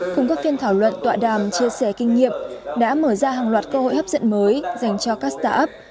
cùng các phiên thảo luận tọa đàm chia sẻ kinh nghiệm đã mở ra hàng loạt cơ hội hấp dẫn mới dành cho các start up